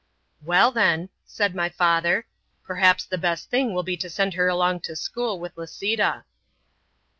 "Well, then," said my father, "perhaps the best thing will be to send her along to school with Lisita."